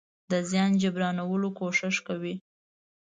د زيان د جبرانولو کوشش کوي.